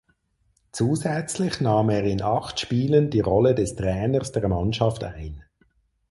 Zusätzlich nahm er in acht Spielen die Rolle des Trainers der Mannschaft ein.